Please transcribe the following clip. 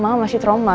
mama masih trauma